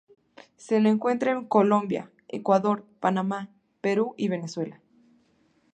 Se lo encuentra en Colombia, Ecuador, Panamá, Perú, y Venezuela.